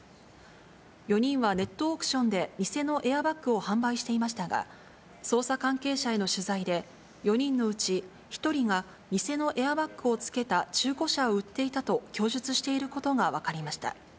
４人はネットオークションで偽のエアバッグを販売していましたが、捜査関係者への取材で、４人のうち１人が偽のエアバッグをつけた中古車を売っていたと供述していることが分かりました。